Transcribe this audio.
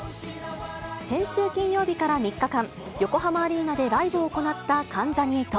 先週金曜日から３日間、横浜アリーナでライブを行った関ジャニ∞。